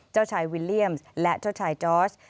เจ้าชายวิลเลี่ยมและเจ้าชายจอร์ส